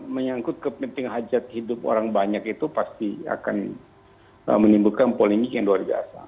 menyangkut kepentingan hajat hidup orang banyak itu pasti akan menimbulkan polemik yang luar biasa